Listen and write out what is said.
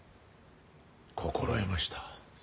心得ました。